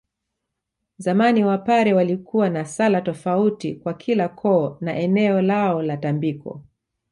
Zamani Wapare walikuwa na sala tofauti kwa kila koo na eneo lao la tambiko